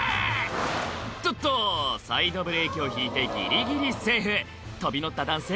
おっとっとサイドブレーキを引いてギリギリセーフ飛び乗った男性